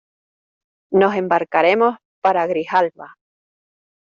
nos embarcaremos para Grijalba: